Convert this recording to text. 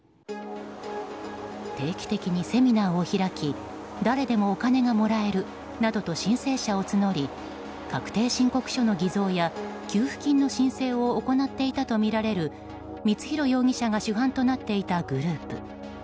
定期的にセミナーを開き誰でもお金がもらえるなどと申請者を募り確定申告書の偽造や給付金の申請を行っていたとみられる光弘容疑者が主犯となっていたグループ。